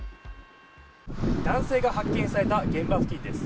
男性が発見された現場付近です。